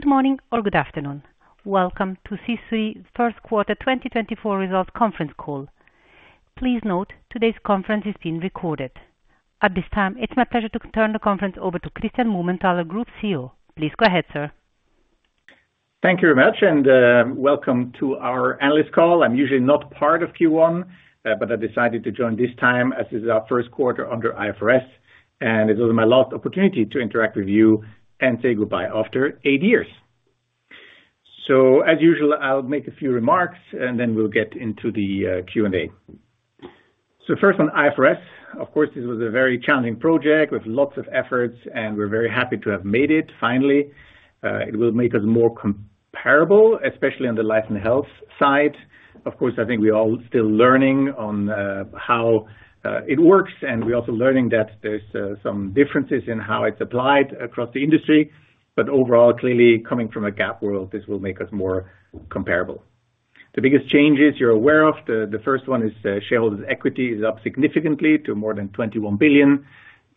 Good morning or good afternoon. Welcome to Swiss Re's first quarter 2024 results conference call. Please note, today's conference is being recorded. At this time, it's my pleasure to turn the conference over to Christian Mumenthaler, Group CEO. Please go ahead, sir. Thank you very much, and, welcome to our analyst call. I'm usually not part of Q1, but I decided to join this time as it is our first quarter under IFRS, and this is my last opportunity to interact with you and say goodbye after eight years. So as usual, I'll make a few remarks, and then we'll get into the, Q&A. So first on IFRS, of course, this was a very challenging project with lots of efforts, and we're very happy to have made it finally. It will make us more comparable, especially on the life and health side. Of course, I think we're all still learning on, how, it works, and we're also learning that there's, some differences in how it's applied across the industry, but overall, clearly coming from a GAAP world, this will make us more comparable. The biggest changes you're aware of, the first one is, shareholders' equity is up significantly to more than $21 billion.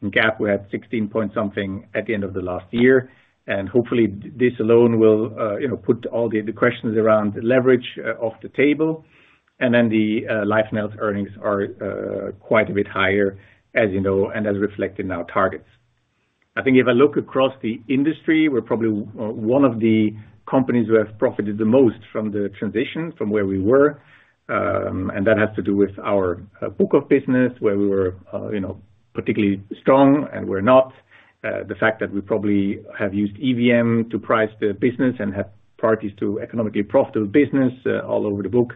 In GAAP, we had $16.something billion at the end of the last year, and hopefully, this alone will, you know, put all the questions around leverage, off the table. And then the life and health earnings are quite a bit higher, as you know, and as reflected in our targets. I think if I look across the industry, we're probably one of the companies who have profited the most from the transition from where we were. And that has to do with our book of business, where we were, you know, particularly strong and we're not. The fact that we probably have used EVM to price the business and have parties to economically profitable business all over the book.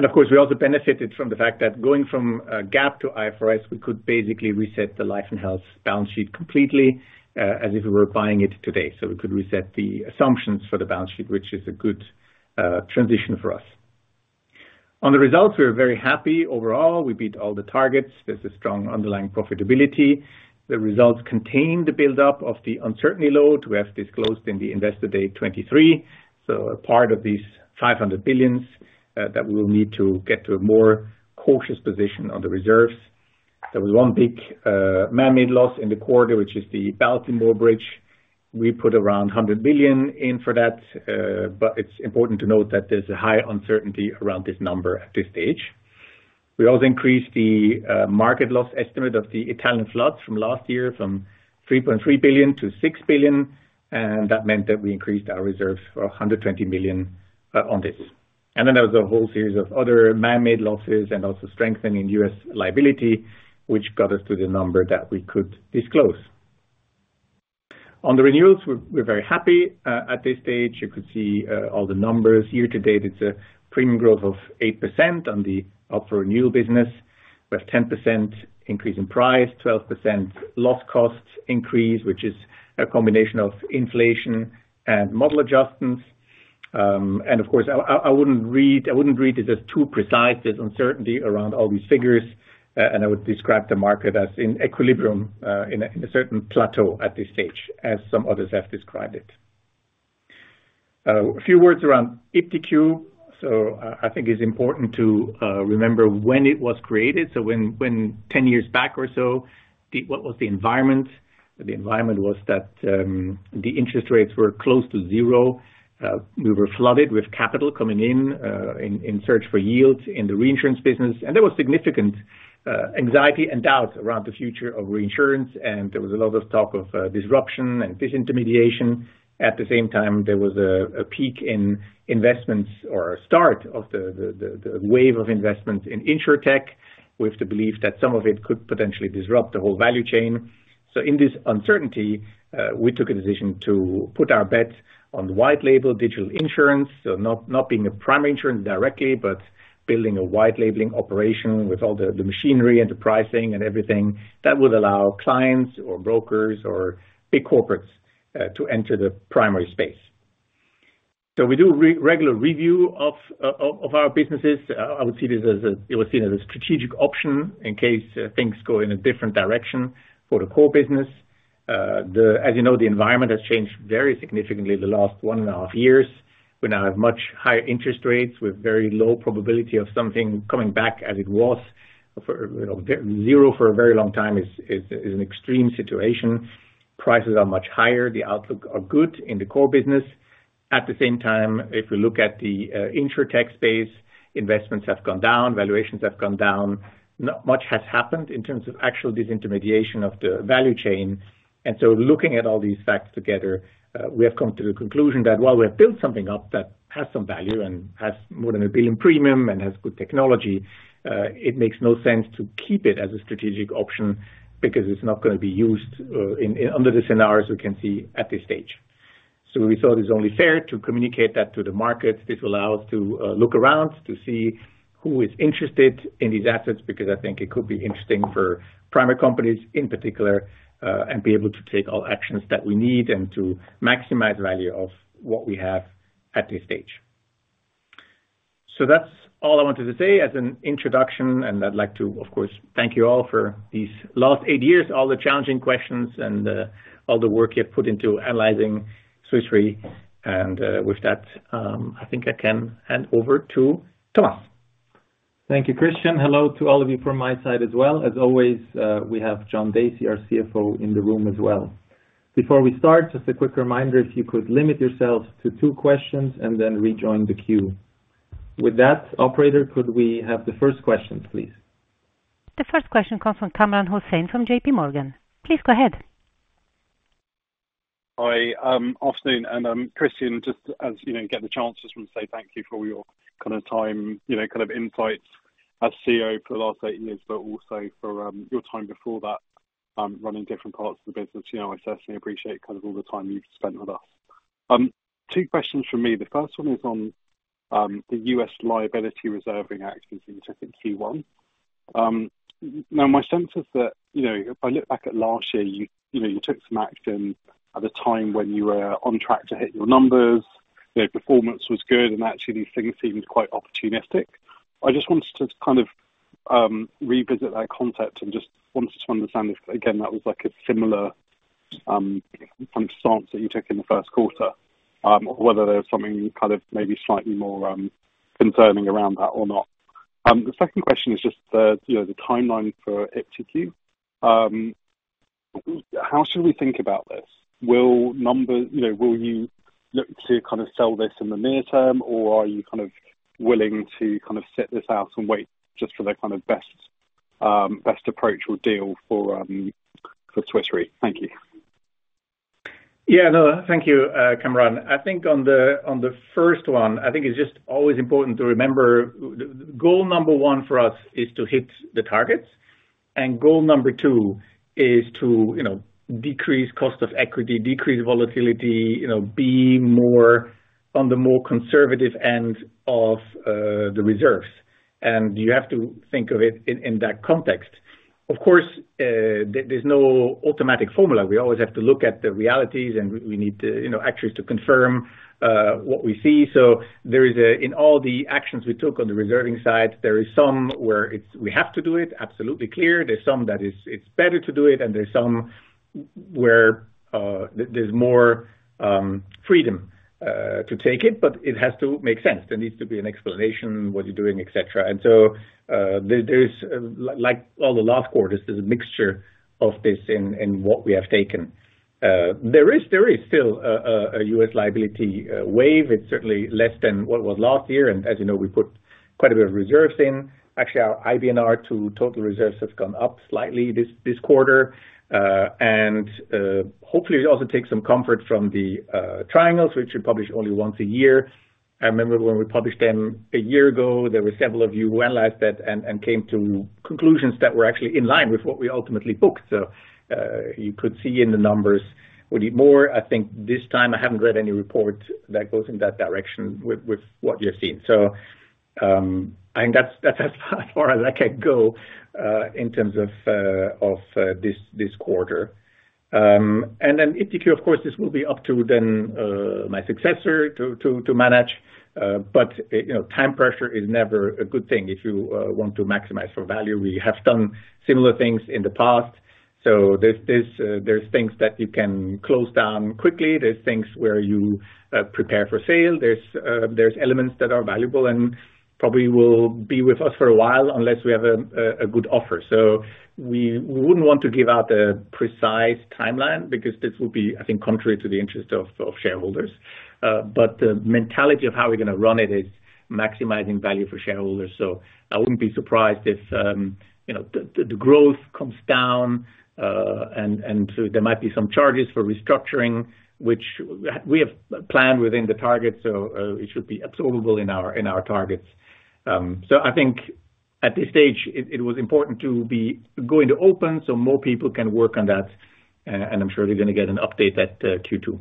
And of course, we also benefited from the fact that going from GAAP to IFRS, we could basically reset the life and health balance sheet completely, as if we were buying it today. So we could reset the assumptions for the balance sheet, which is a good transition for us. On the results, we are very happy. Overall, we beat all the targets. There's a strong underlying profitability. The results contain the buildup of the uncertainty load we have disclosed in the Investor Day 2023. So a part of these 500 billion that we will need to get to a more cautious position on the reserves. There was one big man-made loss in the quarter, which is the Baltimore Bridge. We put around $100 billion in for that, but it's important to note that there's a high uncertainty around this number at this stage. We also increased the market loss estimate of the Italian floods from last year, from $3.3 billion-$6 billion, and that meant that we increased our reserves for $120 billion on this. And then there was a whole series of other man-made losses and also strengthening U.S. liability, which got us to the number that we could disclose. On the renewals, we're very happy. At this stage, you could see all the numbers. Year to date, it's a premium growth of 8% on the up for renewal business. We have 10% increase in price, 12% loss costs increase, which is a combination of inflation and model adjustments. And of course, I wouldn't read it as too precise. There's uncertainty around all these figures, and I would describe the market as in equilibrium, in a certain plateau at this stage, as some others have described it. A few words around iptiQ. I think it's important to remember when it was created. When 10 years back or so, what was the environment? The environment was that, the interest rates were close to zero. We were flooded with capital coming in, in search for yields in the reinsurance business, and there was significant anxiety and doubt around the future of reinsurance, and there was a lot of talk of disruption and disintermediation. At the same time, there was a peak in investments or a start of the wave of investments in Insurtech, with the belief that some of it could potentially disrupt the whole value chain. So in this uncertainty, we took a decision to put our bets on white label digital insurance. So not being a primary insurance directly, but building a white labeling operation with all the machinery and the pricing and everything that would allow clients or brokers or big corporates to enter the primary space. So we do regular review of our businesses. I would see this as a... it was seen as a strategic option in case things go in a different direction for the core business. As you know, the environment has changed very significantly the last 1.5 years. We now have much higher interest rates with very low probability of something coming back as it was for, you know, zero for a very long time is an extreme situation. Prices are much higher. The outlook are good in the core business. At the same time, if you look at the Insurtech space, investments have gone down, valuations have gone down. Not much has happened in terms of actual disintermediation of the value chain. Looking at all these facts together, we have come to the conclusion that while we have built something up that has some value and has more than 1 billion premium and has good technology, it makes no sense to keep it as a strategic option because it's not gonna be used in under the scenarios we can see at this stage. So we thought it's only fair to communicate that to the market. This will allow us to look around to see who is interested in these assets, because I think it could be interesting for primary companies in particular, and be able to take all actions that we need and to maximize value of what we have at this stage. So that's all I wanted to say as an introduction, and I'd like to, of course, thank you all for these last eight years, all the challenging questions and all the work you've put into analyzing Swiss Re. With that, I think I can hand over to Thomas. ...Thank you, Christian. Hello to all of you from my side as well. As always, we have John Dacey, our CFO, in the room as well. Before we start, just a quick reminder, if you could limit yourselves to two questions and then rejoin the queue. With that, operator, could we have the first question, please? The first question comes from Kamran Hossain from JPMorgan. Please go ahead. Hi, afternoon. Christian, just as you know get the chance, just want to say thank you for all your kind of time, you know, kind of insights as CEO for the last eight years, but also for your time before that, running different parts of the business. You know, I certainly appreciate kind of all the time you've spent with us. Two questions from me. The first one is on the U.S. liability reserving activities in, I think, Q1. Now, my sense is that, you know, if I look back at last year, you know, you took some action at the time when you were on track to hit your numbers. You know, performance was good, and actually, these things seemed quite opportunistic. I just wanted to kind of revisit that concept and just wanted to understand if, again, that was like a similar kind of stance that you took in the first quarter, or whether there was something kind of maybe slightly more concerning around that or not. The second question is just the, you know, the timeline for iptiQ. How should we think about this? Will numbers-- you know, will you look to kind of sell this in the near term, or are you kind of willing to kind of sit this out and wait just for the kind of best best approach or deal for for Swiss Re? Thank you. Yeah, no, thank you, Kamran. I think on the first one, I think it's just always important to remember, goal number one for us is to hit the targets, and goal number two is to, you know, decrease cost of equity, decrease volatility, you know, be more on the more conservative end of the reserves. And you have to think of it in that context. Of course, there's no automatic formula. We always have to look at the realities, and we need to, you know, actually, to confirm what we see. So, in all the actions we took on the reserving side, there is somewhere it's we have to do it, absolutely clear. There's some that is, it's better to do it, and there's some where there's more freedom to take it, but it has to make sense. There needs to be an explanation, what you're doing, et cetera. And so, there's, like, all the last quarters, there's a mixture of this in what we have taken. There is still a U.S. liability wave. It's certainly less than what was last year, and as you know, we put quite a bit of reserves in. Actually, our IBNR to total reserves have gone up slightly this quarter. And hopefully, it also takes some comfort from the triangles, which we publish only once a year. I remember when we published them a year ago, there were several of you who analyzed that and came to conclusions that were actually in line with what we ultimately booked. So, you could see in the numbers, we need more. I think this time, I haven't read any report that goes in that direction with what you're seeing. So, and that's as far as I can go in terms of this quarter. And then iptiQ, of course, this will be up to my successor to manage, but you know, time pressure is never a good thing if you want to maximize for value. We have done similar things in the past, so there's things that you can close down quickly. There's things where you prepare for sale. There's elements that are valuable and probably will be with us for a while, unless we have a good offer. So we wouldn't want to give out a precise timeline, because this will be, I think, contrary to the interest of shareholders. But the mentality of how we're going to run it is maximizing value for shareholders. So I wouldn't be surprised if, you know, the growth comes down, and so there might be some charges for restructuring, which we have planned within the target, so it should be absorbable in our targets. So I think at this stage it was important to be going to open so more people can work on that, and I'm sure you're going to get an update at Q2.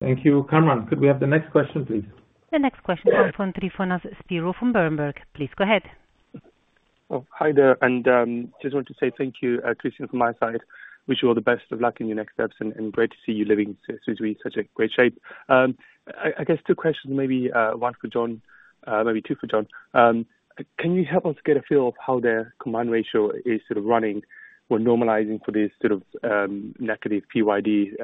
Thank you. Kamran, could we have the next question, please? The next question comes from Tryfonas Spyrou from Bernstein. Please go ahead. Oh, hi there, and just want to say thank you, Christian, from my side. Wish you all the best of luck in your next steps, and great to see you living in such a great shape. I guess two questions, maybe one for John, maybe two for John. Can you help us get a feel of how the combined ratio is sort of running when normalizing for the sort of negative PYD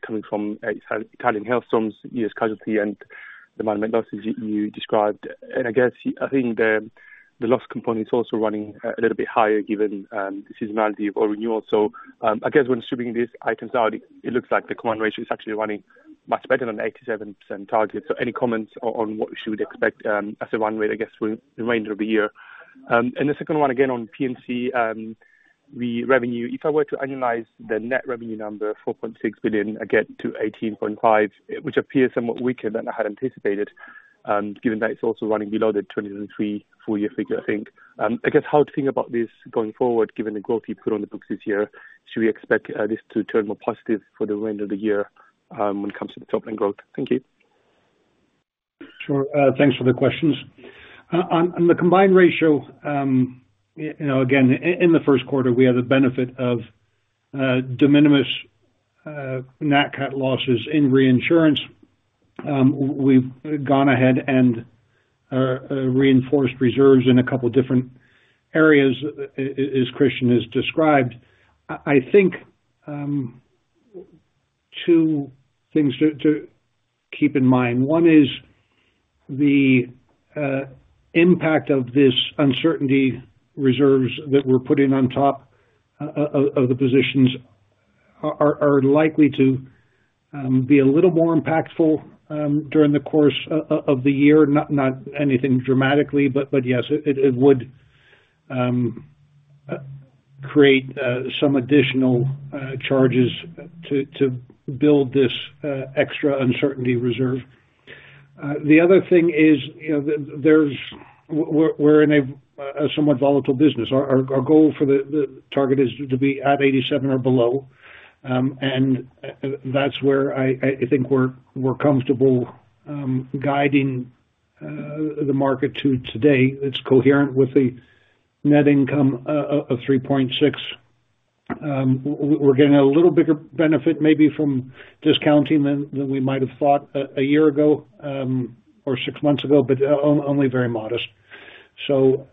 coming from Italian hailstorms, US casualty, and the man-made losses you described? And I guess I think the loss component is also running a little bit higher given the seasonality of our renewal. So I guess when stripping these items out, it looks like the combined ratio is actually running much better than the 87% target. So any comments on what we should expect as a run rate, I guess, with the range of the year? And the second one, again, on P&C, the revenue. If I were to annualize the net revenue number, $4.6 billion, I get to $18.5 billion, which appears somewhat weaker than I had anticipated, given that it's also running below the 2023 full year figure, I think. I guess how to think about this going forward, given the growth you put on the books this year, should we expect this to turn more positive for the remainder of the year, when it comes to the top-line growth? Thank you. Sure. Thanks for the questions. On the Combined Ratio, you know, again, in the first quarter, we had the benefit of de minimis Nat Cat losses in reinsurance. We've gone ahead and reinforced reserves in a couple different areas, as Christian has described. I think... two things to keep in mind. One is the impact of this uncertainty reserves that we're putting on top of the positions are likely to be a little more impactful during the course of the year. Not anything dramatically, but yes, it would create some additional charges to build this extra uncertainty reserve. The other thing is, you know, we're in a somewhat volatile business. Our goal for the target is to be at 87 or below. And that's where I think we're comfortable guiding the market to today. It's coherent with the net income of $3.6. We're getting a little bigger benefit maybe from discounting than we might have thought a year ago, or six months ago, but only very modest. So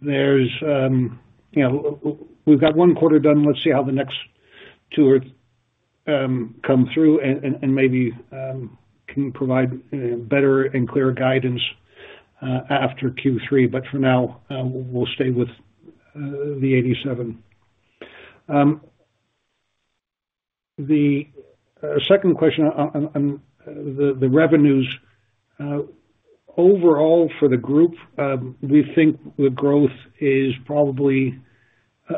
there's, you know, we've got one quarter done. Let's see how the next two come through and maybe can provide better and clearer guidance after Q3. But for now, we'll stay with the 87. The second question on the revenues. Overall for the group, we think the growth is probably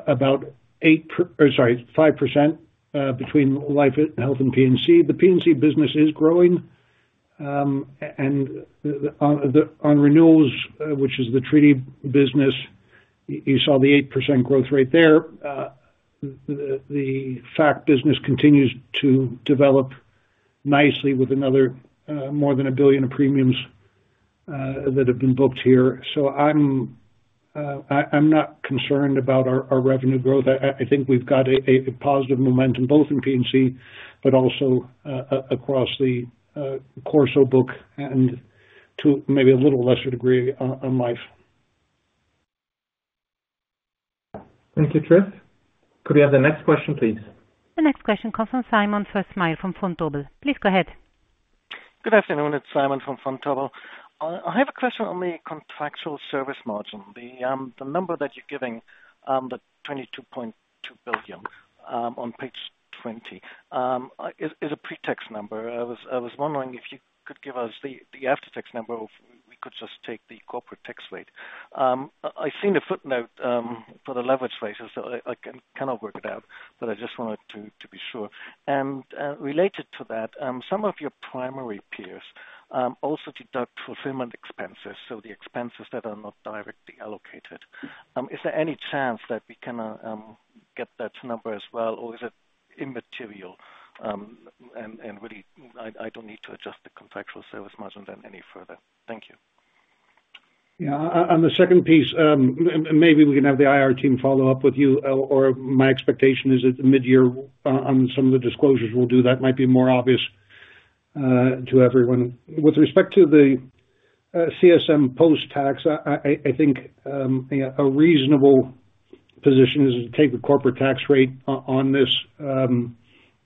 about 8%... or sorry, 5%, between life, health and P&C. The P&C business is growing, and on the renewals, which is the treaty business, you saw the 8% growth rate there. The P&C business continues to develop nicely with another, more than 1 billion of premiums that have been booked here. So I'm not concerned about our revenue growth. I think we've got a positive momentum, both in P&C, but also across the Corporate Solutions book and to maybe a little lesser degree on life. Thank you, Chris. Could we have the next question, please? The next question comes from Simon from Vontobel. Please go ahead. Good afternoon. It's Simon from Vontobel. I have a question on the contractual service margin. The number that you're giving, the 22.2 billion on page 20, is a pre-tax number. I was wondering if you could give us the after-tax number, or we could just take the corporate tax rate. I've seen the footnote for the leverage ratio, so I cannot work it out, but I just wanted to be sure. Related to that, some of your primary peers also deduct fulfillment expenses, so the expenses that are not directly allocated. Is there any chance that we can get that number as well, or is it immaterial, and really, I don't need to adjust the contractual service margin then any further? Thank you. Yeah. On the second piece, maybe we can have the IR team follow up with you, or my expectation is that the midyear on some of the disclosures we'll do, that might be more obvious to everyone. With respect to the CSM post-tax, I think, yeah, a reasonable position is to take the corporate tax rate on this.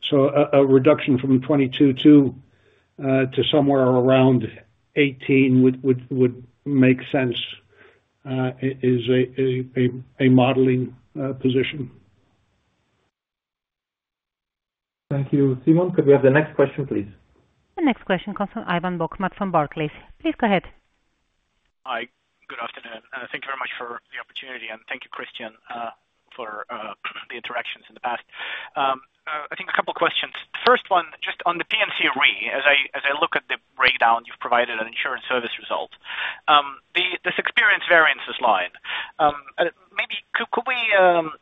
So a reduction from 22 to somewhere around 18 would make sense, is a modeling position. Thank you, Simon. Could we have the next question, please? The next question comes from Ivan Bokhmat from Barclays. Please go ahead. Hi. Good afternoon, thank you very much for the opportunity, and thank you, Christian, for the interactions in the past. I think a couple questions. First one, just on the P&C Re, as I look at the breakdown, you've provided an insurance service result. This experience variances line, maybe could we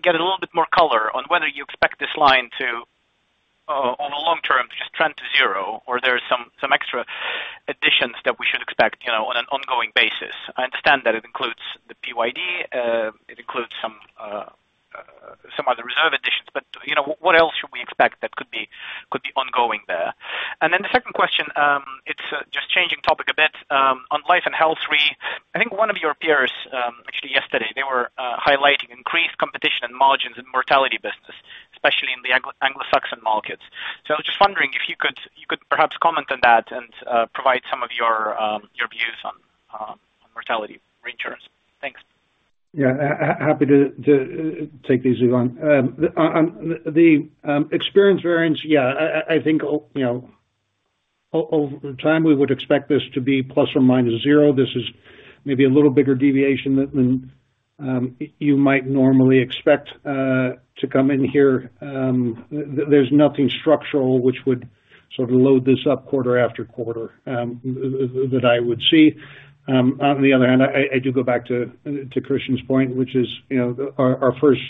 get a little bit more color on whether you expect this line to, on the long term, just trend to zero, or there are some extra additions that we should expect, you know, on an ongoing basis? I understand that it includes the PYD, it includes some other reserve additions, but, you know, what else should we expect that could be ongoing there? And then the second question, it's just changing topic a bit, on Life and Health Re. I think one of your peers, actually yesterday, they were highlighting increased competition and margins in mortality business, especially in the Anglo-Saxon markets. So I was just wondering if you could perhaps comment on that and provide some of your views on mortality reinsurance. Thanks. Yeah, happy to take these, Ivan. On the experience variance, yeah, I think you know over time, we would expect this to be plus or minus zero. This is maybe a little bigger deviation than you might normally expect to come in here. There's nothing structural which would sort of load this up quarter after quarter that I would see. On the other hand, I do go back to Christian's point, which is, you know, our first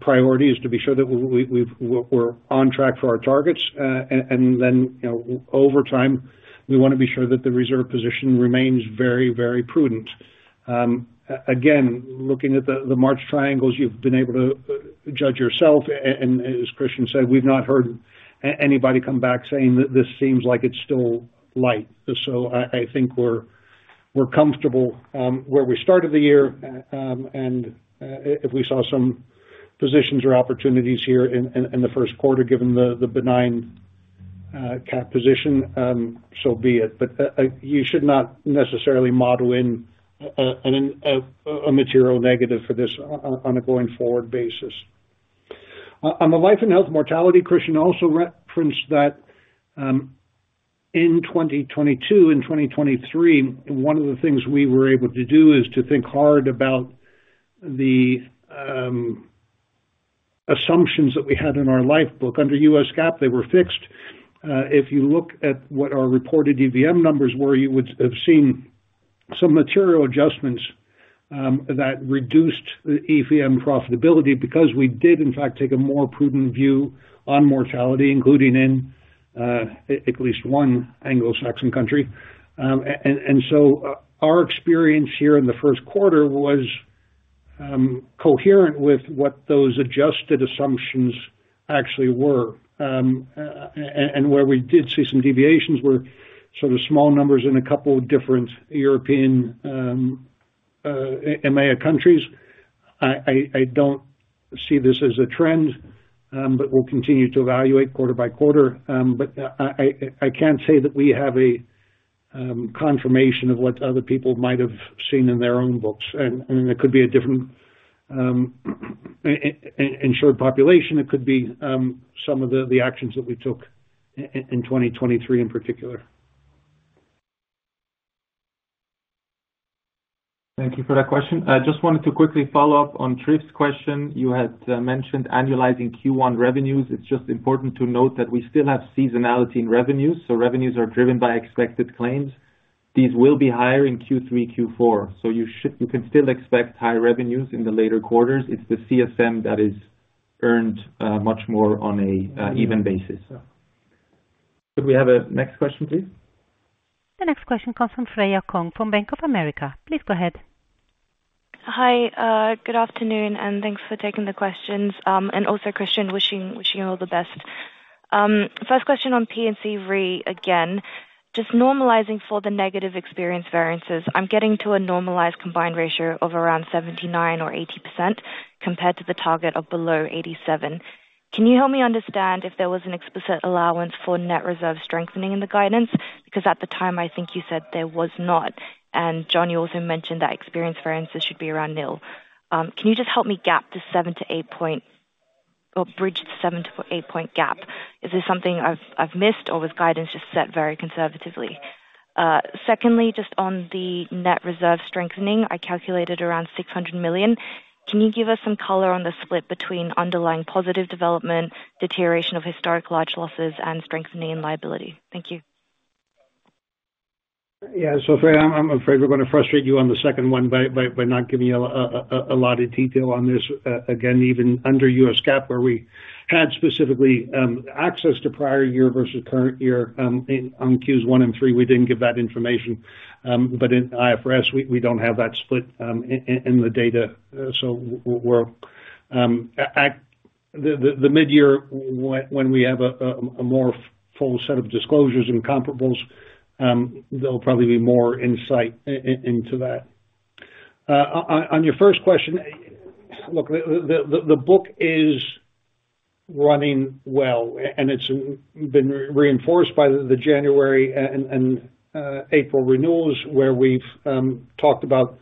priority is to be sure that we're on track for our targets. Then, you know, over time, we want to be sure that the reserve position remains very, very prudent. Again, looking at the March triangles, you've been able to judge yourself, and as Christian said, we've not heard anybody come back saying that this seems like it's still light. So I think we're comfortable where we started the year. And if we saw some positions or opportunities here in the first quarter, given the benign CAP position, so be it. But you should not necessarily model in a material negative for this on a going forward basis. On the life and health mortality, Christian also referenced that, in 2022 and 2023, one of the things we were able to do is to think hard about the assumptions that we had in our life book. Under US GAAP, they were fixed. If you look at what our reported EVM numbers were, you would have seen some material adjustments that reduced the EVM profitability because we did in fact take a more prudent view on mortality, including in at least one Anglo-Saxon country. And so our experience here in the first quarter was coherent with what those adjusted assumptions actually were. And where we did see some deviations were sort of small numbers in a couple of different European EMEA countries. I don't see this as a trend, but we'll continue to evaluate quarter by quarter. But I can't say that we have a confirmation of what other people might have seen in their own books, and it could be a different insured population. It could be some of the actions that we took in 2023 in particular. Thank you for that question. I just wanted to quickly follow up on Triff's question. You had mentioned annualizing Q1 revenues. It's just important to note that we still have seasonality in revenues, so revenues are driven by expected claims. These will be higher in Q3, Q4. So you should—you can still expect high revenues in the later quarters. It's the CSM that is earned much more on a even basis. Could we have a next question, please? The next question comes from Freya Kong, from Bank of America. Please go ahead. Hi, good afternoon, and thanks for taking the questions. And also, Christian, wishing, wishing you all the best. First question on P&C Re, again, just normalizing for the negative experience variances. I'm getting to a normalized combined ratio of around 79% or 80% compared to the target of below 87%. Can you help me understand if there was an explicit allowance for net reserve strengthening in the guidance? Because at the time, I think you said there was not. And John, you also mentioned that experience variances should be around nil. Can you just help me gap the 7- to 8-point or bridge the 7- to 8-point gap? Is this something I've, I've missed, or was guidance just set very conservatively? Secondly, just on the net reserve strengthening, I calculated around 600 million. Can you give us some color on the split between underlying positive development, deterioration of historic large losses and strengthening and liability? Thank you. Yeah. So Freya, I'm afraid we're going to frustrate you on the second one by not giving you a lot of detail on this. Again, even under US GAAP, where we had specifically access to prior year versus current year, in on Q1 and Q3, we didn't give that information. But in IFRS, we don't have that split in the data. So we're at the midyear, when we have a more full set of disclosures and comparables, there'll probably be more insight into that. On your first question, look, the book is running well, and it's been reinforced by the January and April renewals, where we've talked about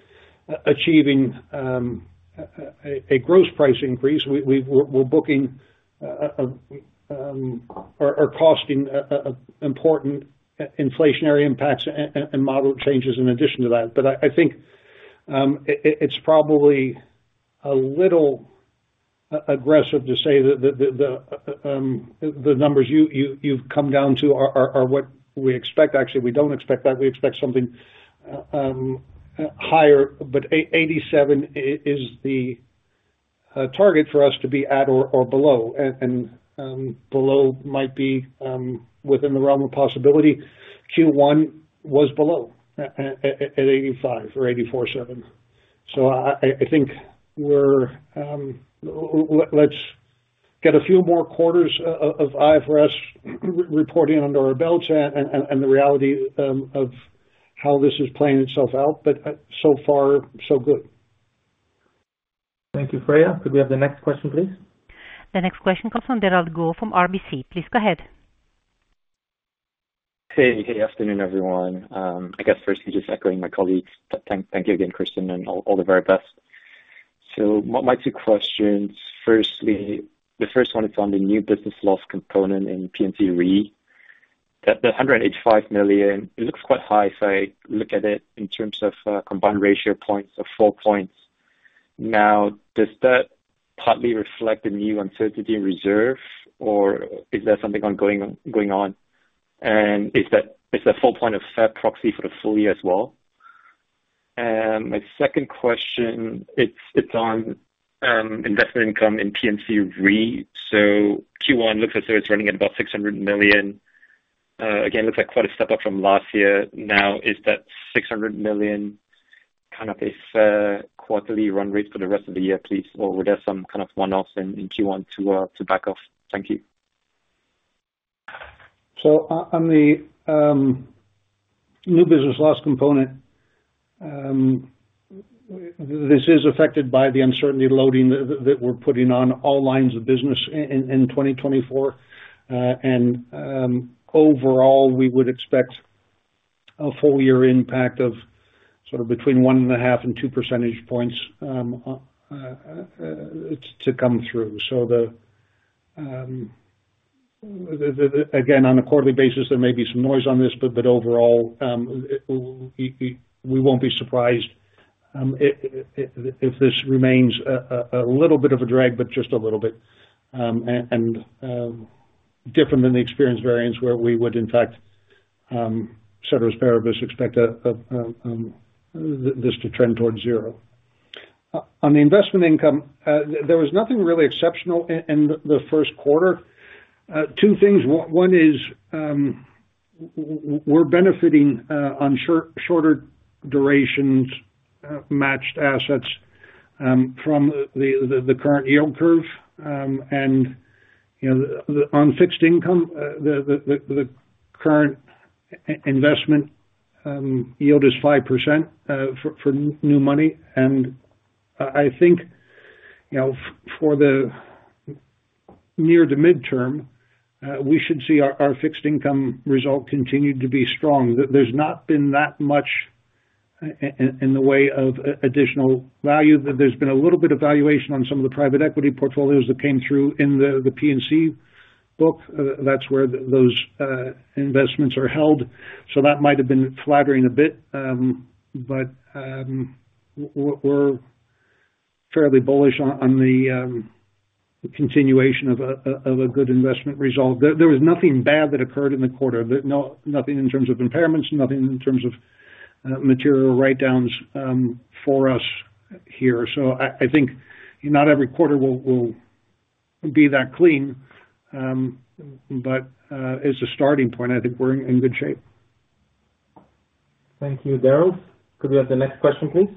achieving a gross price increase. We've -- we're booking are costing important inflationary impacts and model changes in addition to that. But I think it's probably a little aggressive to say that the numbers you've come down to are what we expect. Actually, we don't expect that. We expect something higher, but 87 is the target for us to be at or below, and below might be within the realm of possibility. Q1 was below at 85 or 84.7. So I think we're... Let's get a few more quarters of IFRS reporting under our belt and the reality of how this is playing itself out, but so far, so good. Thank you, Freya. Could we have the next question, please? The next question comes from Derald Goh from RBC. Please go ahead. Hey, hey, good afternoon, everyone. I guess firstly, just echoing my colleagues, thank you again, Christian, and all the very best. So my two questions. Firstly, the first one is on the new business loss component in P&C Re. The 185 million, it looks quite high if I look at it in terms of combined ratio points of 4 points. Now, does that partly reflect the new uncertainty in reserve, or is there something ongoing? And is that 4 points a fair proxy for the full year as well? And my second question, it's on investment income in P&C Re. So Q1 looks as though it's running at about 600 million. Again, looks like quite a step up from last year. Now, is that 600 million-... Kind of this quarterly run rate for the rest of the year, please, or were there some kind of one-offs in Q1 to back off? Thank you. So on the new business loss component, this is affected by the uncertainty loading that we're putting on all lines of business in 2024. And overall, we would expect a full year impact of sort of between 1.5 and 2 percentage points to come through. So, again, on a quarterly basis, there may be some noise on this, but overall, we won't be surprised if this remains a little bit of a drag, but just a little bit. And different than the experience variance, where we would, in fact, ceteris paribus, expect this to trend towards zero. On the investment income, there was nothing really exceptional in the first quarter. Two things. One is, we're benefiting on shorter durations matched assets from the current yield curve. And, you know, on fixed income, the current investment yield is 5%, for new money. And, I think, you know, for the near to midterm, we should see our fixed income result continue to be strong. There's not been that much in the way of additional value. There's been a little bit of valuation on some of the private equity portfolios that came through in the P&C book. That's where those investments are held. So that might have been flattering a bit, but we're fairly bullish on the continuation of a good investment result. There was nothing bad that occurred in the quarter. Nothing in terms of impairments, nothing in terms of material writedowns for us here. So I think not every quarter will be that clean, but as a starting point, I think we're in good shape. Thank you, Daryl. Could we have the next question, please?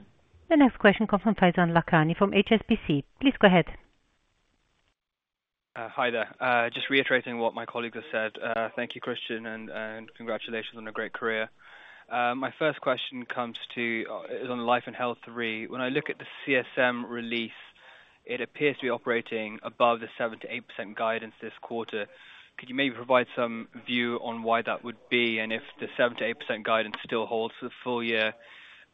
The next question comes from Faizan Lakhani, from HSBC. Please go ahead. Hi there. Just reiterating what my colleagues have said, thank you, Christian, and congratulations on a great career. My first question comes to, is on life and health Re. When I look at the CSM release, it appears to be operating above the 7%-8% guidance this quarter. Could you maybe provide some view on why that would be, and if the 7%-8% guidance still holds for the full year?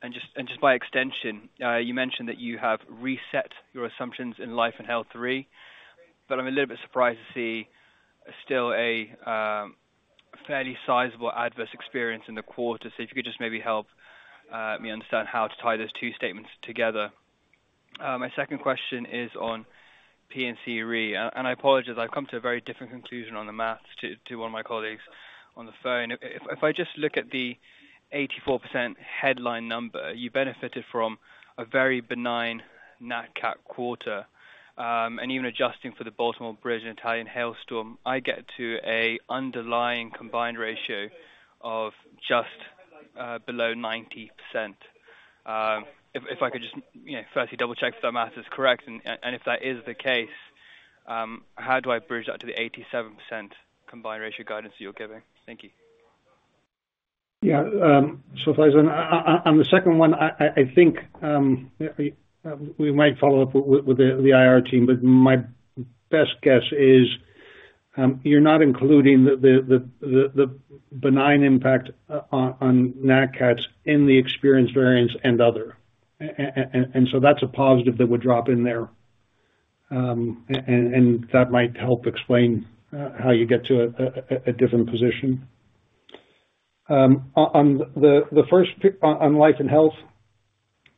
And just by extension, you mentioned that you have reset your assumptions in life and health Re, but I'm a little bit surprised to see still a fairly sizable adverse experience in the quarter. So if you could just maybe help me understand how to tie those two statements together. My second question is on P&C Re. I apologize, I've come to a very different conclusion on the math to one of my colleagues on the phone. If I just look at the 84% headline number, you benefited from a very benign nat cat quarter. And even adjusting for the Baltimore Bridge and Italian hailstorm, I get to an underlying combined ratio of just below 90%. If I could just, you know, firstly, double check if that math is correct, and if that is the case, how do I bridge that to the 87% combined ratio guidance you're giving? Thank you. Yeah, so Faizan, on the second one, I think we might follow up with the IR team, but my best guess is you're not including the benign impact on nat cats in the experience variance and other. And so that's a positive that would drop in there. And that might help explain how you get to a different position. On the first one on life and health,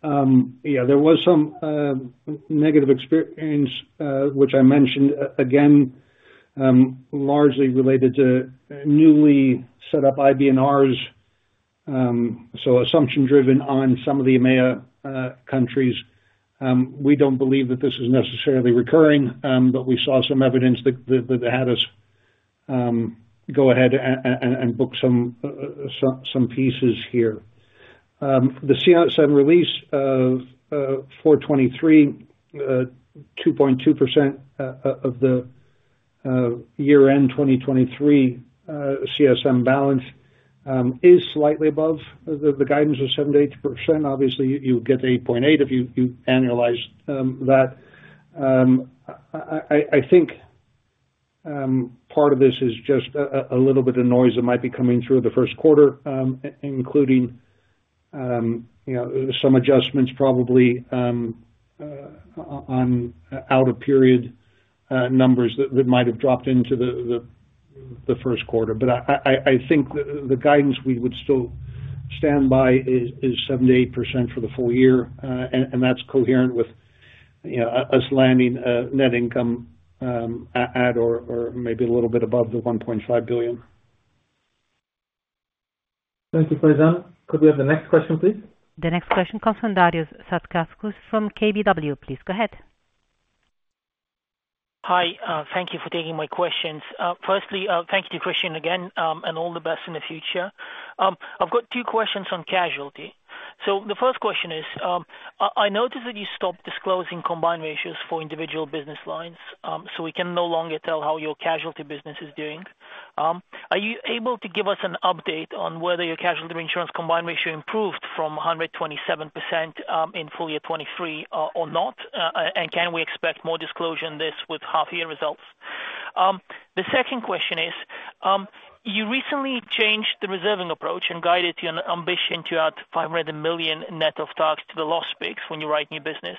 yeah, there was some negative experience, which I mentioned again, largely related to newly set up IBNRs, so assumption-driven on some of the EMEA countries. We don't believe that this is necessarily recurring, but we saw some evidence that had us go ahead and book some pieces here. The CSM release of 423, 2.2% of the year-end 2023 CSM balance, is slightly above the guidance of 7%-8%. Obviously, you get 8.8 if you annualize that. I think part of this is just a little bit of noise that might be coming through the first quarter, including you know, some adjustments probably on out of period numbers that might have dropped into the first quarter. But I think the guidance we would still stand by is 7%-8% for the full year. And that's coherent with, you know, us landing net income at, or maybe a little bit above 1.5 billion. Thank you, Faizan. Could we have the next question, please? The next question comes from Darius Satkauskas from KBW. Please go ahead. ... Hi, thank you for taking my questions. Firstly, thank you to Christian again, and all the best in the future. I've got two questions on casualty. So the first question is, I noticed that you stopped disclosing combined ratios for individual business lines, so we can no longer tell how your casualty business is doing. Are you able to give us an update on whether your casualty insurance combined ratio improved from 127% in full year 2023, or not? And can we expect more disclosure on this with half year results? The second question is, you recently changed the reserving approach and guided your ambition to add 500 million net of tax to the loss picks when you write new business.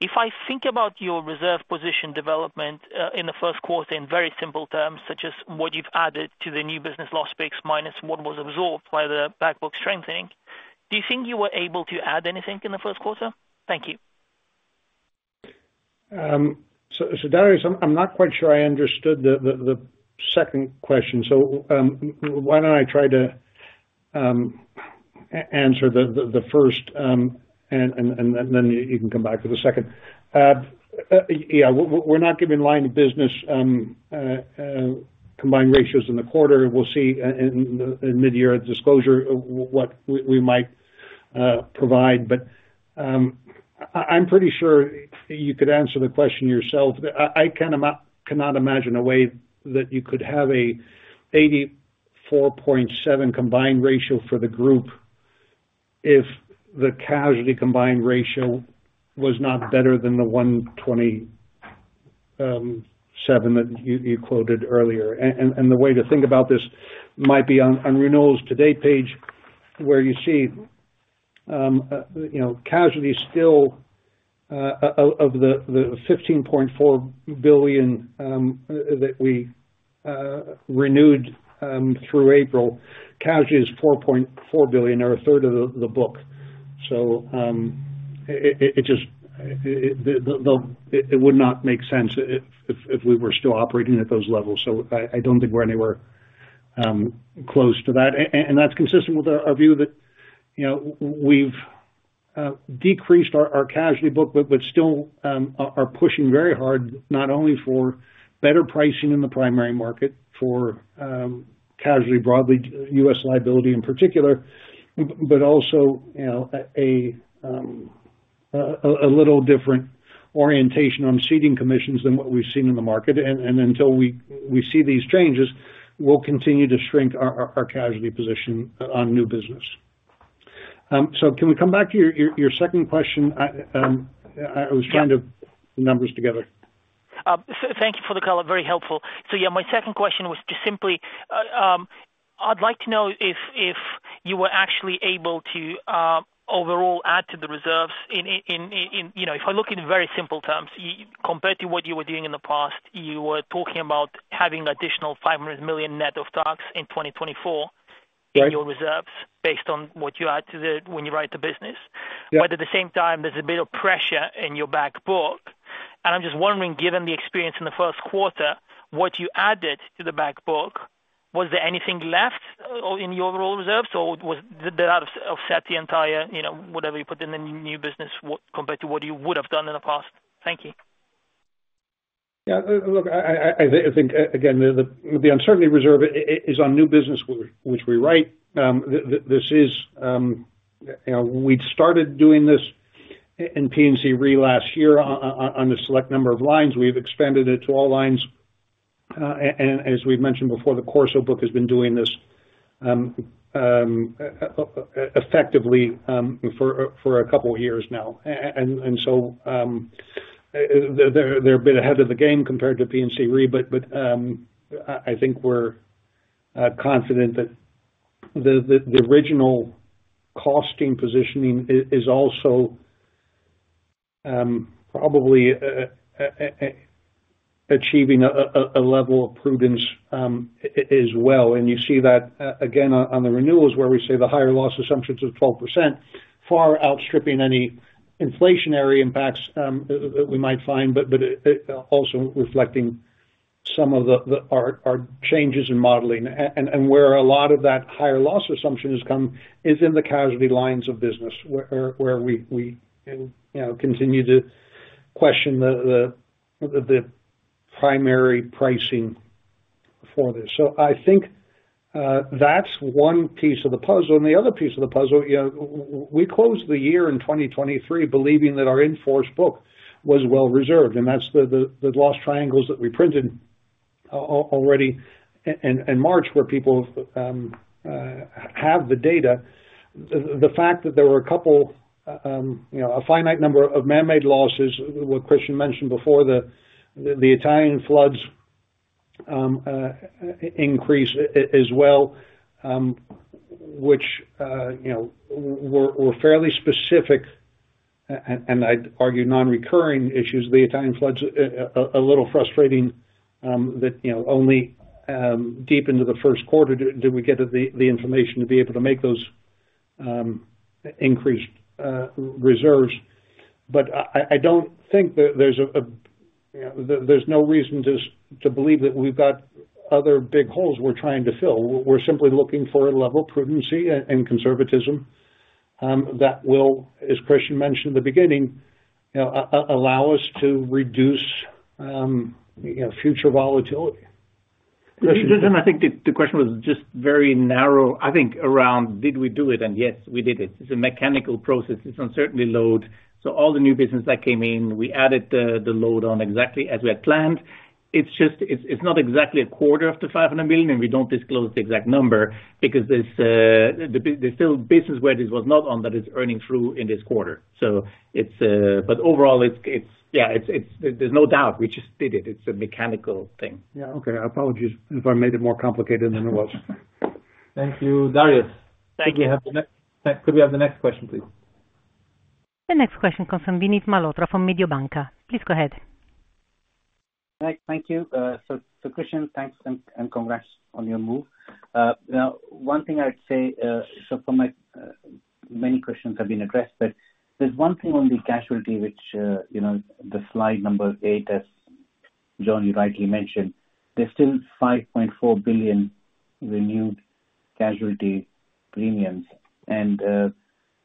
If I think about your reserve position development, in the first quarter, in very simple terms, such as what you've added to the new business loss picks, minus what was absorbed by the back book strengthening, do you think you were able to add anything in the first quarter? Thank you. So, Darius, I'm not quite sure I understood the second question. So, why don't I try to answer the first, and then you can come back to the second. Yeah, we're not giving line of business combined ratios in the quarter. We'll see in mid-year disclosure what we might provide, but, I'm pretty sure you could answer the question yourself. I cannot imagine a way that you could have an 84.7 combined ratio for the group if the casualty combined ratio was not better than the 127 that you quoted earlier. And the way to think about this might be on renewals today page, where you see, you know, casualty still, of the $15.4 billion that we renewed through April, casualty is $4.4 billion or a third of the book. So, it just, it would not make sense if we were still operating at those levels. So I don't think we're anywhere close to that. And that's consistent with our view that, you know, we've decreased our casualty book, but still are pushing very hard, not only for better pricing in the primary market for casualty, broadly, U.S. liability in particular, but also, you know, a little different orientation on ceding commissions than what we've seen in the market. And until we see these changes, we'll continue to shrink our casualty position on new business. So can we come back to your second question? I was trying to- Yeah. Put the numbers together. So thank you for the color. Very helpful. So yeah, my second question was just simply, I'd like to know if, if you were actually able to, overall add to the reserves in, in, you know, if I look in very simple terms, compared to what you were doing in the past, you were talking about having additional $500 million net of tax in 2024- Right. in your reserves, based on what you add to the, when you write the business. Yeah. But at the same time, there's a bit of pressure in your back book, and I'm just wondering, given the experience in the first quarter, what you added to the back book, was there anything left in the overall reserves, or did that offset the entire, you know, whatever you put in the new business compared to what you would have done in the past? Thank you. Yeah, look, I think, again, the uncertainty reserve is on new business which we write. This is, you know, we'd started doing this in P&C Re last year on a select number of lines. We've expanded it to all lines, and as we've mentioned before, the Corso book has been doing this, effectively, for a couple of years now. And so, they're a bit ahead of the game compared to P&C Re, but I think we're confident that the original costing positioning is also, probably, achieving a level of prudence, as well. And you see that, again, on the renewals, where we say the higher loss assumptions of 12%, far outstripping any inflationary impacts that we might find, but it also reflecting some of the our changes in modeling. And where a lot of that higher loss assumption has come is in the casualty lines of business, where we, you know, continue to question the primary pricing for this. So I think, that's one piece of the puzzle, and the other piece of the puzzle, you know, we closed the year in 2023, believing that our in-force book was well reserved, and that's the loss triangles that we printed already in March, where people have the data. The fact that there were a couple, you know, a finite number of man-made losses, what Christian mentioned before, the Italian floods, increase as well, which, you know, were fairly specific, and I'd argue, non-recurring issues. The Italian floods, a little frustrating, that, you know, only deep into the first quarter did we get the information to be able to make those increased reserves. But I don't think that there's a, you know, there's no reason to believe that we've got other big holes we're trying to fill. We're simply looking for a level of prudency and conservatism that will, as Christian mentioned in the beginning, allow us to reduce, you know, future volatility. And I think the question was just very narrow, I think, around did we do it? And yes, we did it. It's a mechanical process. It's uncertainty load. So all the new business that came in, we added the load on exactly as we had planned. It's just, it's not exactly a quarter of the $500 million, and we don't disclose the exact number because there's the, there's still business where this was not on, but it's earning through in this quarter. So it's, but overall, it's, yeah, it's. There's no doubt we just did it. It's a mechanical thing. Yeah, okay. I apologize if I made it more complicated than it was. Thank you, Darius. Thank you. Could we have the next question, please? The next question comes from Vinit Malhotra from Mediobanca. Please go ahead. Hi. Thank you. So, Christian, thanks and congrats on your move. Now, one thing I'd say, so from my many questions have been addressed, but there's one thing on the casualty, which, you know, the slide number 8, as John, you rightly mentioned, there's still $5.4 billion renewed casualty premiums. And,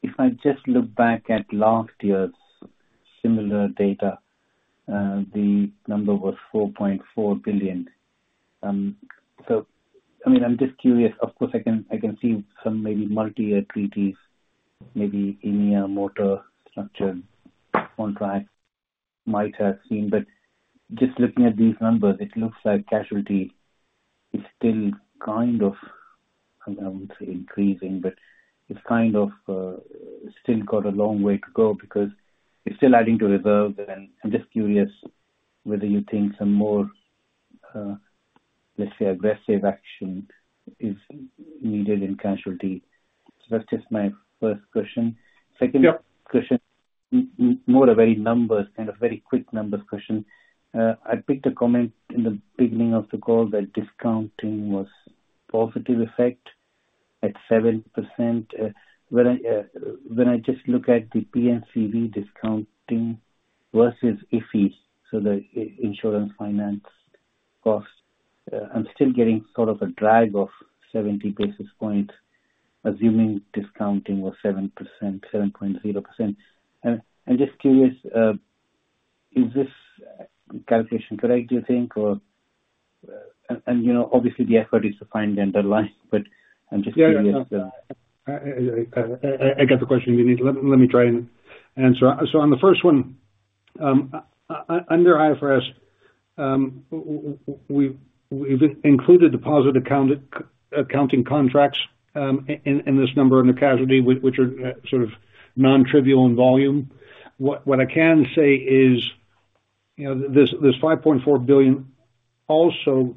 if I just look back at last year's similar data, the number was $4.4 billion. So, I mean, I'm just curious. Of course, I can see some maybe multiyear treaties, maybe India motor structure contract might have seen. But just looking at these numbers, it looks like casualty is still kind of, I wouldn't say increasing, but it's kind of, still got a long way to go because you're still adding to reserve. I'm just curious whether you think some more, let's say, aggressive action is needed in casualty? That's just my first question. Yep. Second question, more a very numbers and a very quick numbers question. I picked a comment in the beginning of the call that discounting was positive effect at 7%. When I just look at the PNCV discounting versus IFE, so the insurance finance cost, I'm still getting sort of a drag of 70 basis points, assuming discounting was 7%, 7.0%. I'm just curious, is this calculation correct, do you think? Or, and, you know, obviously the effort is to find the underlying, but I'm just curious. Yeah, I got the question, Vineet. Let me try and answer. So on the first one, under IFRS, we've included deposit account accounting contracts in this number in the casualty, which are sort of non-trivial in volume. What I can say is, you know, this $5.4 billion also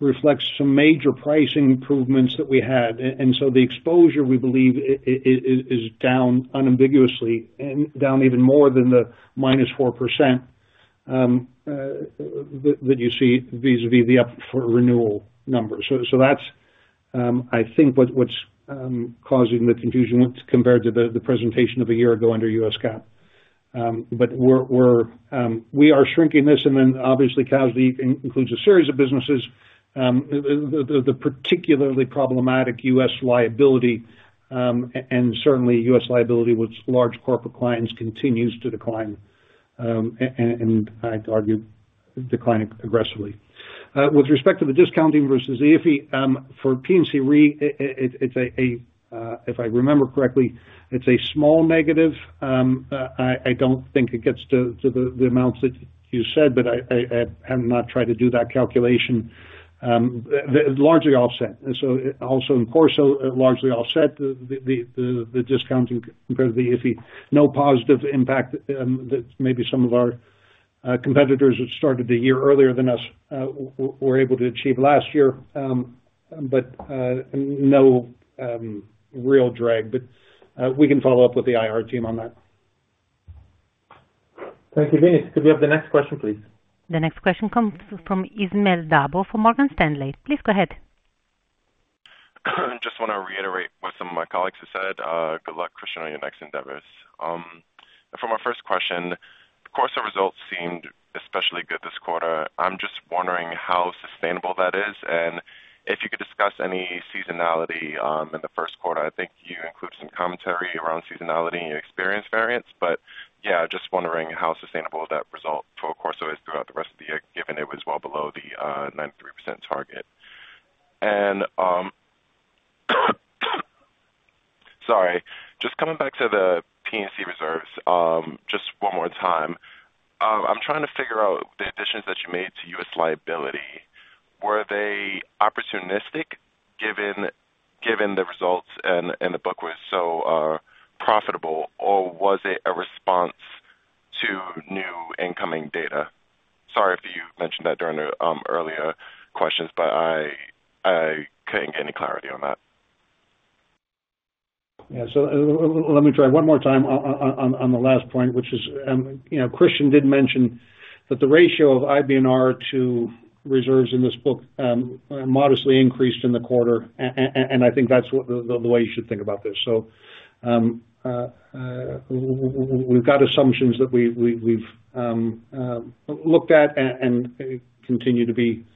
reflects some major pricing improvements that we had. And so the exposure, we believe, is down unambiguously and down even more than the -4%, that you see vis-a-vis the up for renewal numbers. So that's, I think, what's causing the confusion when compared to the presentation of a year ago under US GAAP. But we're shrinking this, and then obviously, casualty includes a series of businesses. The particularly problematic U.S. liability, and certainly U.S. liability with large corporate clients continues to decline, and I'd argue, declining aggressively. With respect to the discounting versus the IFE, for P&C Re, it's a, if I remember correctly, it's a small negative. I don't think it gets to the amounts that you said, but I have not tried to do that calculation. It's largely offset, and so also in Corporate Solutions, largely offset the discounting compared to the IFE. No positive impact, that maybe some of our competitors who started a year earlier than us were able to achieve last year. No real drag, but we can follow up with the IR team on that. Thank you, Vinit. Could we have the next question, please? The next question comes from Ismail Sherif, from Morgan Stanley. Please go ahead. Just want to reiterate what some of my colleagues have said. Good luck, Christian, on your next endeavors. For my first question, Corso results seemed especially good this quarter. I'm just wondering how sustainable that is, and if you could discuss any seasonality in the first quarter. I think you include some commentary around seasonality and experience variance, but yeah, just wondering how sustainable that result for Corso is throughout the rest of the year, given it was well below the 93% target. Sorry. Just coming back to the P&C reserves just one more time. I'm trying to figure out the additions that you made to US liability. Were they opportunistic, given the results and the book was so profitable, or was it a response to new incoming data? Sorry if you mentioned that during the earlier questions, but I couldn't get any clarity on that. Yeah, so let me try one more time on the last point, which is, you know, Christian did mention that the ratio of IBNR to reserves in this book modestly increased in the quarter, and I think that's what the way you should think about this. So, we've got assumptions that we've looked at and continue to be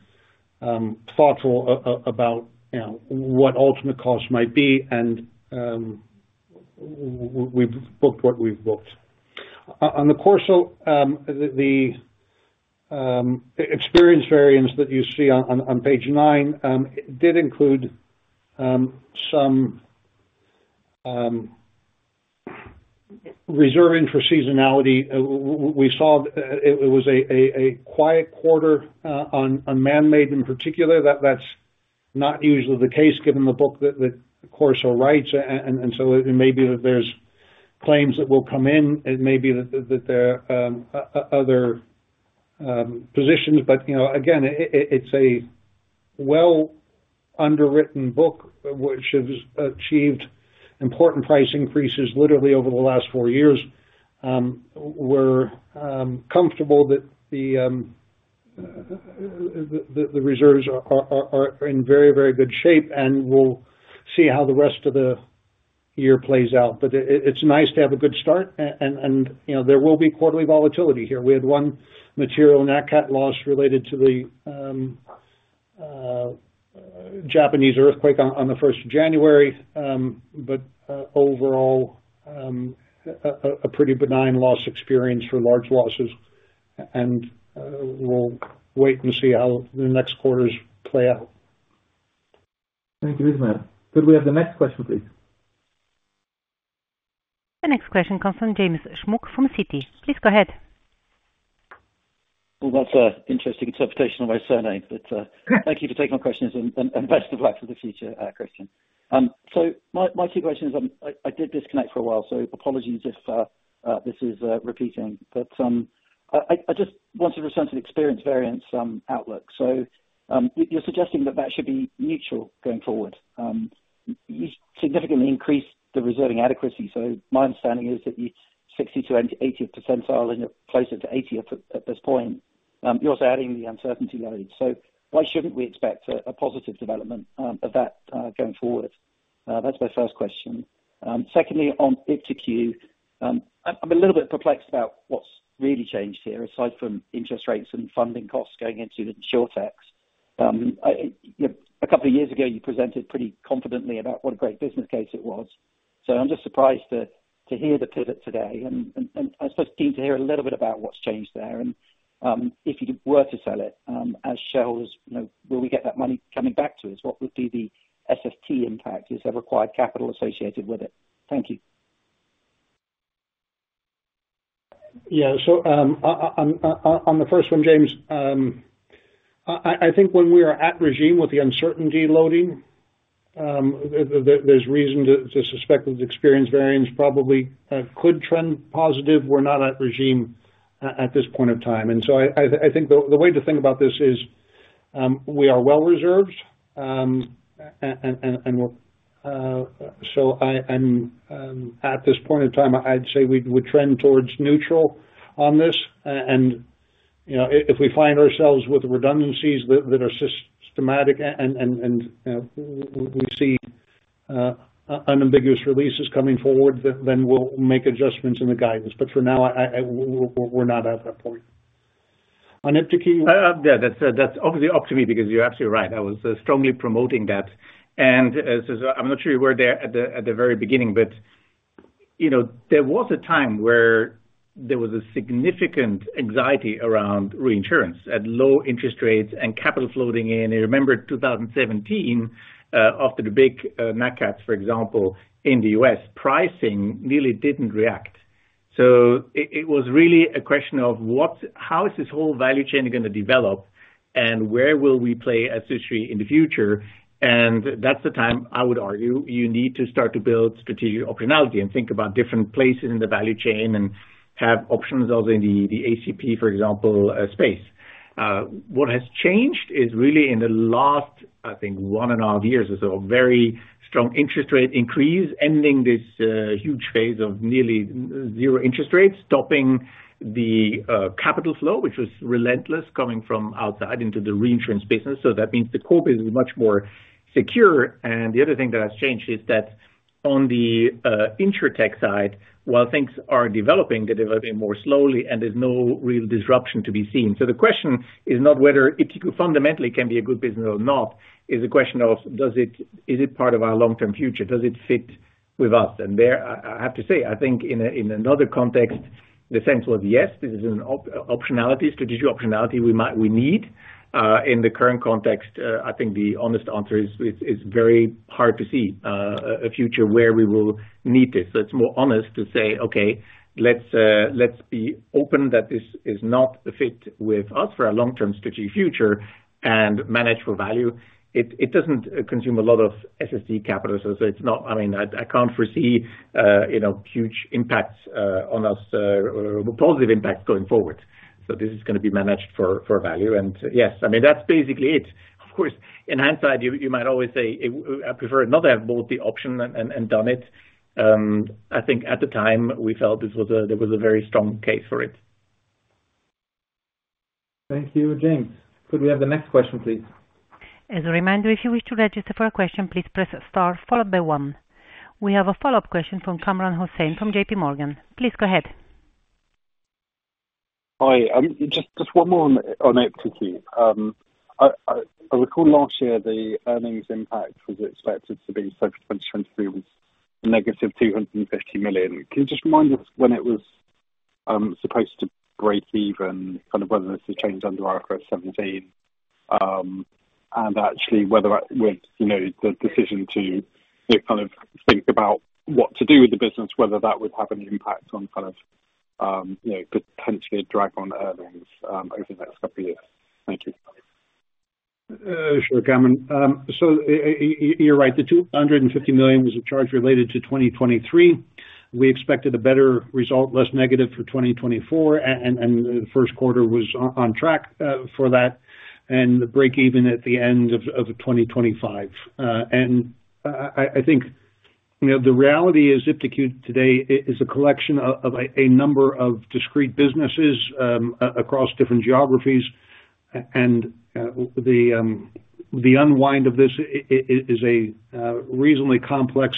thoughtful about, you know, what ultimate costs might be, and we've booked what we've booked. On the Corso, the experience variance that you see on page nine did include some reserving for seasonality. We saw it was a quiet quarter on man-made in particular. That's not usually the case, given the book that Corso writes, and so it may be that there's claims that will come in, it may be that there are other positions. But, you know, again, it's a well underwritten book, which has achieved important price increases literally over the last four years. We're comfortable that the reserves are in very, very good shape, and we'll see how the rest of the year plays out. But it's nice to have a good start, and, you know, there will be quarterly volatility here. We had one material in that cat loss related to the Japanese earthquake on the first of January. But overall, a pretty benign loss experience for large losses, and we'll wait and see how the next quarters play out. Thank you, Ismail. Could we have the next question, please? The next question comes from James Shuck from Citi. Please go ahead. Well, that's an interesting interpretation of my surname, but thank you for taking my questions and best of luck for the future, Christian. So my key question is, I did disconnect for a while, so apologies if this is repeating. But I just wanted to return to the experience variance outlook. So you're suggesting that that should be neutral going forward. You significantly increased the reserving adequacy, so my understanding is that it's 60-80 percentile and closer to 80 at this point. You're also adding the uncertainty load. So why shouldn't we expect a positive development of that going forward? That's my first question. Secondly, on iptiQ, I'm a little bit perplexed about what's really changed here, aside from interest rates and funding costs going into the InsurTechs. A couple of years ago, you presented pretty confidently about what a great business case it was. So I'm just surprised to hear the pivot today, and I'm supposed to hear a little bit about what's changed there, and if you were to sell it as shares, you know, will we get that money coming back to us? What would be the SST impact? Is there required capital associated with it? Thank you. Yeah. So, on the first one, James, I think when we are at regime with the uncertainty loading, there's reason to suspect that the experience variance probably could trend positive. We're not at regime at this point of time. And so I think the way to think about this is, we are well reserved, and we're... So, at this point in time, I'd say we trend towards neutral on this. And, you know, if we find ourselves with redundancies that are systematic and, you know, we see unambiguous releases coming forward, then we'll make adjustments in the guidance. But for now, we're not at that point. On iptiQ? Yeah, that's, that's obviously up to me, because you're absolutely right. I was strongly promoting that. And, so I'm not sure you were there at the very beginning, but, you know, there was a time where there was a significant anxiety around reinsurance at low interest rates and capital floating in. I remember 2017, after the big, Nat cats, for example, in the US, pricing really didn't react. So it was really a question of what, how is this whole value chain going to develop, and where will we play as industry in the future? And that's the time I would argue you need to start to build strategic optionality and think about different places in the value chain and have options other than the, the ACP, for example, space. What has changed is really in the last, I think, one and a half years, is a very strong interest rate increase, ending this, huge phase of nearly zero interest rates, stopping the, capital flow, which was relentless, coming from outside into the reinsurance business. So that means the corporate is much more secure. And the other thing that has changed is that on the, InsurTech side, while things are developing, they're developing more slowly, and there's no real disruption to be seen. So the question is not whether it fundamentally can be a good business or not, is a question of, does it-- is it part of our long-term future? Does it fit with us? And there, I, I have to say, I think in a, in another context, the sense was, yes, this is an optionality, strategic optionality we might-- we need. In the current context, I think the honest answer is very hard to see a future where we will need this. So it's more honest to say, "Okay, let's be open that this is not a fit with us for our long-term strategy, future, and manage for value." It doesn't consume a lot of SSC capital. So it's not. I mean, I can't foresee, you know, huge impacts on us or positive impact going forward. So this is gonna be managed for value. And yes, I mean, that's basically it. Of course, in hindsight, you might always say, "I prefer not have bought the option and done it." I think at the time we felt this was a, there was a very strong case for it. Thank you, James. Could we have the next question, please? As a reminder, if you wish to register for a question, please press Star, followed by one. We have a follow-up question from Kamran Hossain, from J.P. Morgan. Please go ahead. Hi, just one more on iptiQ. I recall last year, the earnings impact was expected to be so 2023 was -$250 million. Can you just remind us when it was supposed to break even? Kind of whether this has changed under IFRS 17. And actually whether with, you know, the decision to, kind of think about what to do with the business, whether that would have an impact on kind of, you know, potentially drag on earnings over the next couple of years. Thank you. Sure, Kamran. So you're right. The $250 million was a charge related to 2023. We expected a better result, less negative for 2024, and the first quarter was on track for that, and the break even at the end of 2025. And I think, you know, the reality is, iptiQ today is a collection of a number of discrete businesses across different geographies. And the unwind of this is a reasonably complex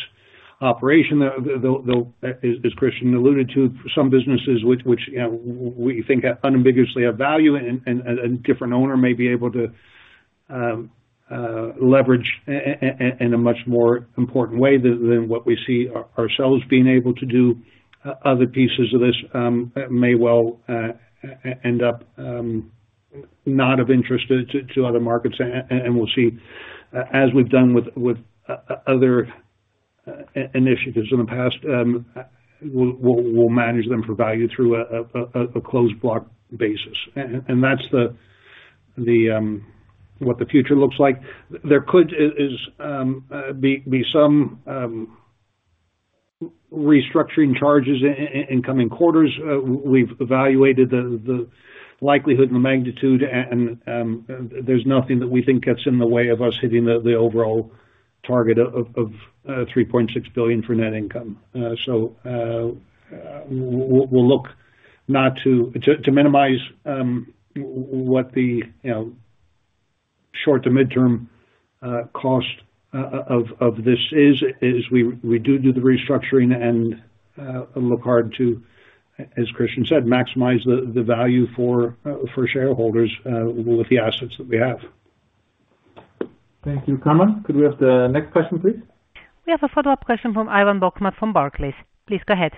operation, though, as Christian alluded to, some businesses which you know we think unambiguously have value and a different owner may be able to leverage it in a much more important way than what we see ourselves being able to do. Other pieces of this may well end up not of interest to other markets, and we'll see, as we've done with other initiatives in the past, we'll manage them for value through a closed block basis. And that's what the future looks like. There could be some restructuring charges in coming quarters. We've evaluated the likelihood and the magnitude, and there's nothing that we think gets in the way of us hitting the overall target of $3.6 billion for net income. So, we'll look not to... to minimize what the, you know, short- to mid-term cost of this is. Is we do the restructuring and look hard to, as Christian said, maximize the value for shareholders with the assets that we have. Thank you, Kamran. Could we have the next question, please? We have a follow-up question from Ivan Bokmat, from Barclays. Please go ahead.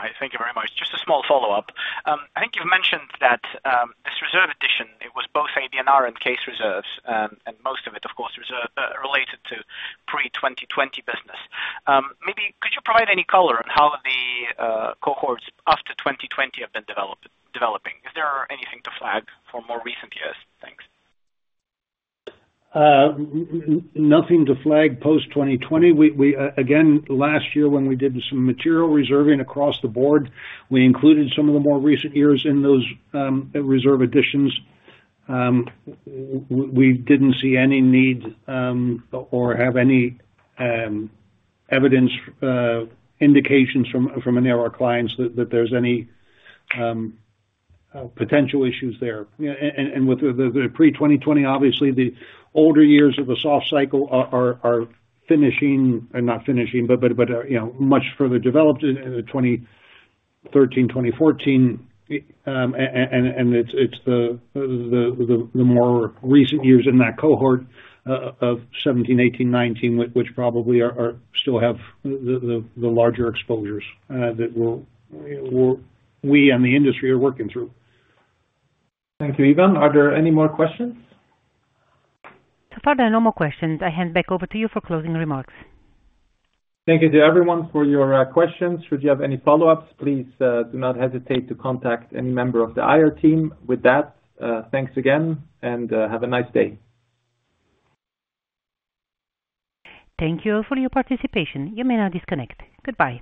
Hi, thank you very much. Just a small follow-up. I think you've mentioned that this reserve addition, it was both IBNR and case reserves, and most of it, of course, reserves related to pre-2020 business. Maybe could you provide any color on how the cohorts after 2020 have been developing? Is there anything to flag for more recent years? Thanks. Nothing to flag post 2020. We again, last year when we did some material reserving across the board, we included some of the more recent years in those reserve additions. We didn't see any need or have any evidence indications from any of our clients that there's any potential issues there. And with the pre-2020, obviously the older years of the soft cycle are finishing, or not finishing, but you know, much further developed in the 2013, 2014. And it's the more recent years in that cohort of 2017, 2018, 2019, which probably are still have the larger exposures that we and the industry are working through. Thank you, Ivan. Are there any more questions? So far, there are no more questions. I hand back over to you for closing remarks. Thank you to everyone for your questions. Should you have any follow-ups, please do not hesitate to contact any member of the IR team. With that, thanks again, and have a nice day. Thank you for your participation. You may now disconnect. Goodbye.